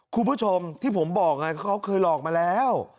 คุณผู้ชมที่ผมบอกไงเขาเคยหลอกมาแล้ว